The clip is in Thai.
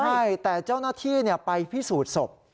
ใช่แต่เจ้าหน้าที่ไปพิสูจน์ศพ